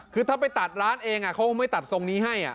คือถ้าไปตัดร้านเองเขาไม่ตัดทรงนี้ให้